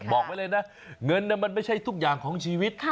บอกไว้เลยนะเงินมันไม่ใช่ทุกอย่างของชีวิต